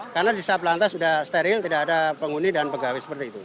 karena di setiap lantai sudah steril tidak ada penghuni dan pegawai seperti itu